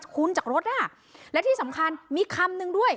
คุณจากรถอ่ะและที่สำคัญมีคำนึงด้วย